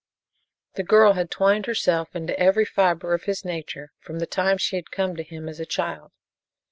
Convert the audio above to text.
The girl had twined herself into every fiber of his nature from the time she had come to him as a child.